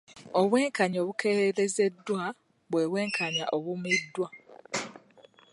Obwenkanya obukeereyezeddwa bwe bw'enkanya obumiddwa.